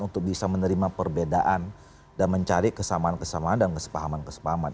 untuk bisa menerima perbedaan dan mencari kesamaan kesamaan dan kesepahaman kesepahaman